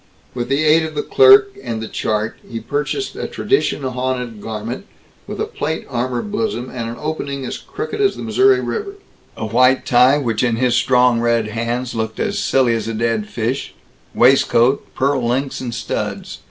With the aid of the clerk and the chart he purchased a tradition haunted garment with a plate armor bosom and an opening as crooked as the Missouri River; a white tie which in his strong red hands looked as silly as a dead fish; waistcoat, pearl links, and studs.